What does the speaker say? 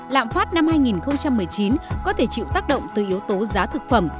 lạm phát năm hai nghìn một mươi chín có thể chịu tác động từ yếu tố giá thực phẩm